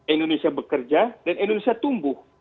indonesia bekerja dan indonesia tumbuh